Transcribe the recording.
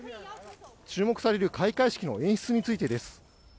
注目される開会式の演出についてです。